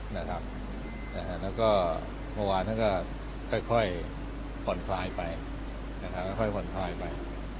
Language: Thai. เมื่อวานท่านก็ค่อยห่วนคลายไป